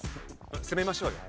攻めましょうよ。